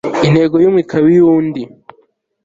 intego yumwe ikaba iyo uwundi